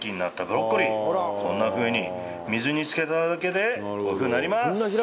こんなふうに水に漬けただけでこういうふうになります。